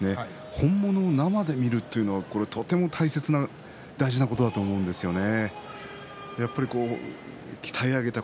本物を生で見るというのはとても大事なことだと思うんですよね。